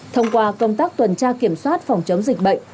thông qua công tác tuần tra kiểm soát phòng chống dịch bệnh